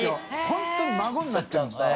本当に孫になっちゃうんですよ。